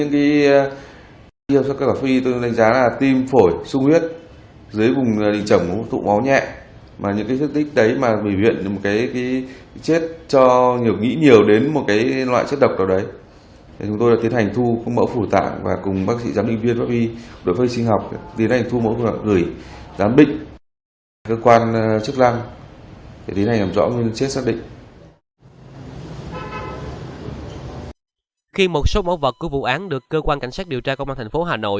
khi một số mẫu vật của vụ án được cơ quan cảnh sát điều tra công an thành phố hà nội